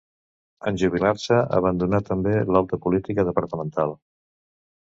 En jubilar-se, abandonà també l'alta política departamental.